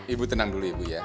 ibu tenang dulu ibu ya